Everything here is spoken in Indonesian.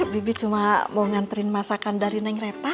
bibi cuma mau nganterin masakan dari neng reva